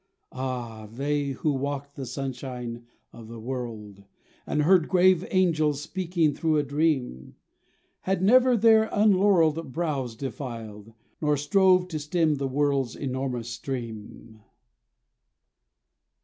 Ah ! they, who walked the sunshine of the world And heard grave angels speaking through a dream, Had never their unlaurelled brows defiled, Nor strove to stem the world's enormous stream.